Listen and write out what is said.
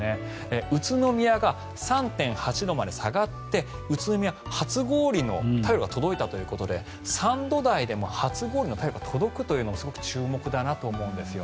宇都宮が３．８度まで下がって宇都宮、初氷の便りが届いたということで３度台でも初氷の便りが届くというのもすごく注目だなと思うんです。